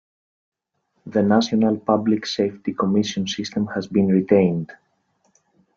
The National Public Safety Commission system has been retained.